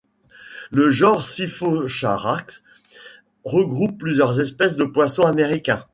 Le genre Cyphocharax regroupe plusieurs espèces de poissons américains.